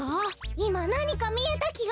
いまなにかみえたきが。